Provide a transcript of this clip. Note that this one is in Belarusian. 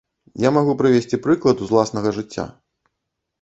Я магу прывесці прыклад з уласнага жыцця.